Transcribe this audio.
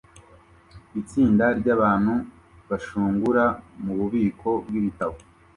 Itsinda ryabantu bashungura mububiko bwibitabo